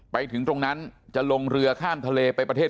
ไปถึงตรงนั้นจะลงเรือข้ามทะเลไปประเทศ